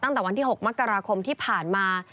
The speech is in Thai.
ตั้งแต่วันที่๖มกราคมที่ผ่านมา